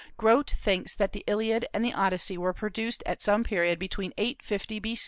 Grote thinks that the Iliad and the Odyssey were produced at some period between 850 B.